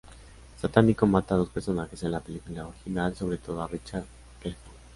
Satánico mata a dos personajes en la película original, sobre todo a Richard Gecko.